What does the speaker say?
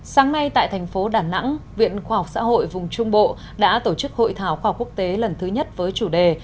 sáng nay tại thành phố đà nẵng viện khoa học xã hội vùng trung bộ đã tổ chức hội thảo khoa học quốc tế lần thứ nhất với chủ đề